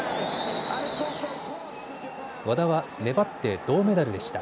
和田は粘って銅メダルでした。